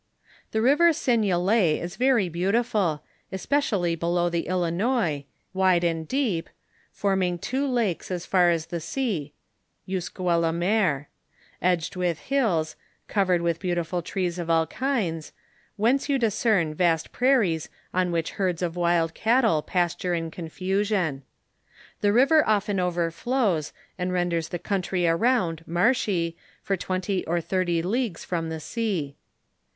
The river Seignelay is very beautiful, especially below the t ■:■*. \ik TWf DISCOVERIES IN THE MISSISSIPPI VALLEY. 179 Dinois (Indians), wide and deep, forming two lakes as fai* as the sea {jusqu'a la mer\ edged with hills, covered with beautiful trees of all kinds, whence you discern vast prairies on which herds of wild cattle pasture in confusion. The river often overflows, and rendei s the country around marshy, for twenty or thirty leagues from the sea.